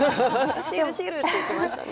シールシール！って言ってましたね。